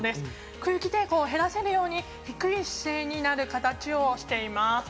空気抵抗を減らせるように低い姿勢になる形をしています。